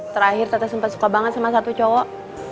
terakhir tete sempat suka banget sama satu cowok